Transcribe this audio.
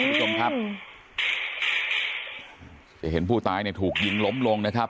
คุณผู้ชมครับจะเห็นผู้ตายเนี่ยถูกยิงล้มลงนะครับ